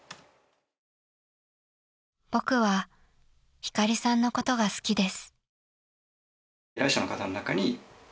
［「僕はヒカリさんのことが好きです」］